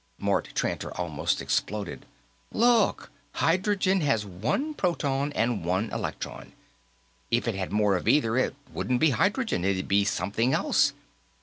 Mort Tranter almost exploded. "Look, hydrogen has one proton and one electron. If it had more of either, it wouldn't be hydrogen, it'd be something else.